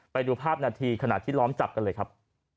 ไปดูภาพนาทีขณะที่ล้อมจับกันเลยครับ